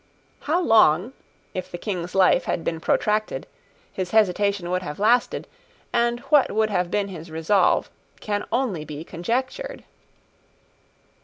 How long, if the King's life had been protracted, his hesitation would have lasted, and what would have been his resolve, can only be conjectured.